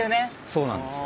そうなんですよ。